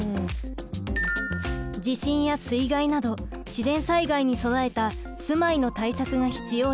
地震や水害など自然災害に備えた住まいの対策が必要です。